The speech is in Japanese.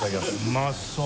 うまそう。